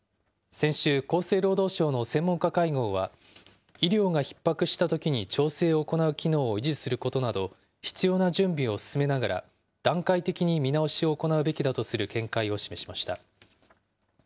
先週、厚生労働省の専門家会合は、医療がひっ迫したときに調整を行う機能を維持することなど、必要な準備を進めながら、段階的に見直しを行うべきだとする見解を示しました。